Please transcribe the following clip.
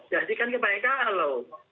jadi kan banyak kalau